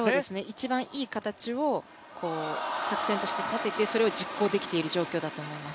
一番いい形を作戦として立てて、それを実行できている状況だと思います。